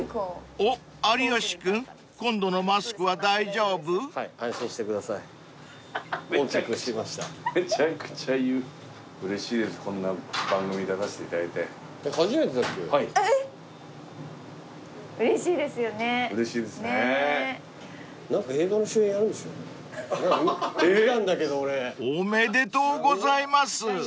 ［おめでとうございます！］